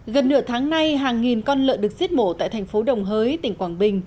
gần nửa tháng nay hàng nghìn con lợn được giết mổ tại thành phố đồng hới tỉnh quảng bình